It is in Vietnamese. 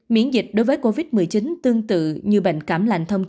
miễn dịch đối với covid một mươi chín tương tự như bệnh cảm